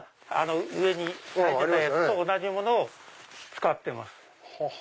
上に咲いてたやつと同じものを使ってます。